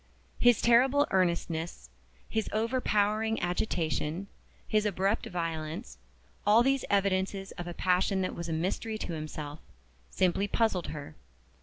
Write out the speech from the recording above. His terrible earnestness, his overpowering agitation, his abrupt violence all these evidences of a passion that was a mystery to himself simply puzzled her.